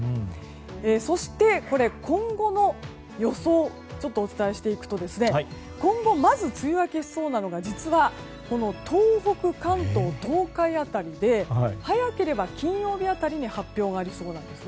そして今後の予想をお伝えしていくと今後、まず梅雨明けしそうなのが実は東北、関東、東海辺りで早ければ金曜日辺りに発表がありそうなんです。